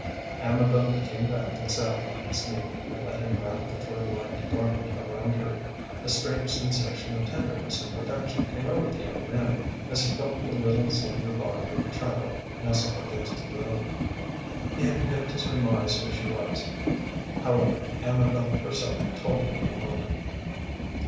Amabel came back and sat on his knee, and let him wrap the fur lined garment around her. A strange sensation of tenderness and protection came over the young man as he felt the little, slender body of the child nestle against his own. He had begun to surmise who she was. However, Amabel herself told him in a moment.